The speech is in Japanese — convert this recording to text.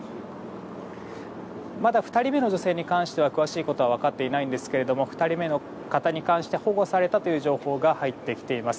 まだ２人目の女性に関しては詳しいことは分かっていないんですけれども２人目の方に関して保護されたという情報が入ってきています。